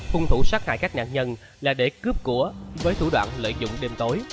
hung thủ sát hại các nạn nhân là để cướp của với thủ đoạn lợi dụng đêm tối